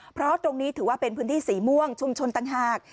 เพราะตรงนี้ถือว่าเป็นพื้นที่สีม่วงชุมชนต่างหาก